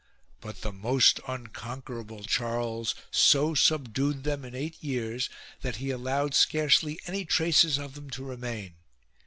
But the most unconquerable Charles so subdued them in eight years that he allowed scarcely any traces of them to remain.